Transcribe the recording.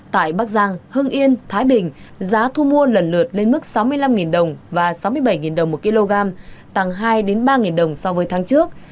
tại bắc giang hưng yên thái bình giá thu mua lần lượt lên mức sáu mươi năm đồng và sáu mươi bảy đồng một kg tăng hai ba đồng so với tháng trước